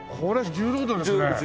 重労働です。